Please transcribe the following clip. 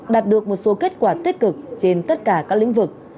đạt được một số kết quả tích cực trên tất cả các lĩnh vực